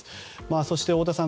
そして、太田さん